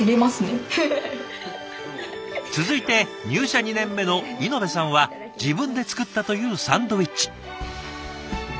続いて入社２年目の猪部さんは自分で作ったというサンドイッチ。